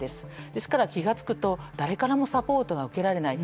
ですから、気が付くと誰からもサポートが受けられない。